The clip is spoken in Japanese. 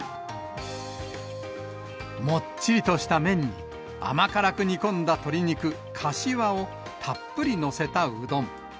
もっちりとした麺に、甘辛く煮込んだ鶏肉、かしわをたっぷり載せたうどん。